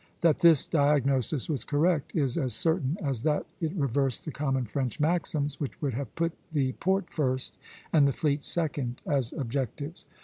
That this diagnosis was correct is as certain as that it reversed the common French maxims, which would have put the port first and the fleet second as objectives.